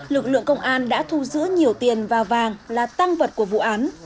lực lượng công an đã thu giữ nhiều tiền và vàng là tăng vật của vụ án